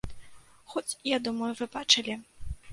Хоць, я думаю, вы бачылі.